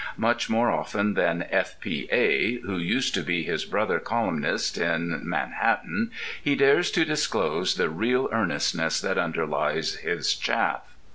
Much more often than F.P.A., who used to be his brother colyumist in Manhattan, he dares to disclose the real earnestness that underlies his chaff.